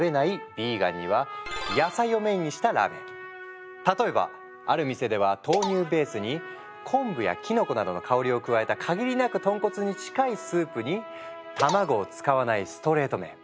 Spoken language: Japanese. ヴィーガンには例えばある店では豆乳ベースに昆布やキノコなどの香りを加えた限りなく豚骨に近いスープに卵を使わないストレート麺。